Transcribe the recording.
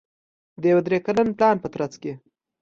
د یوه درې کلن پلان په ترڅ کې